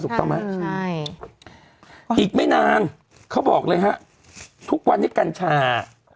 ถูกต้องไหมใช่อีกไม่นานเขาบอกเลยฮะทุกวันนี้กัญชา